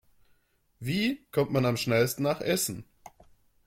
Wie kommt man am schnellsten nach Essen?